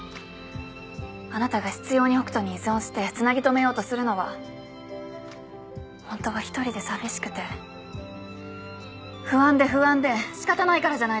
あなたが執拗に北斗に依存してつなぎ留めようとするのはホントは一人で寂しくて不安で不安で仕方ないからじゃないですか？